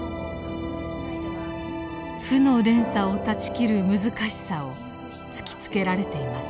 負の連鎖を断ち切る難しさを突きつけられています。